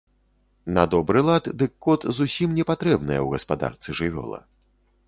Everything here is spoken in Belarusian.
На добры лад, дык кот зусім непатрэбная ў гаспадарцы жывёла.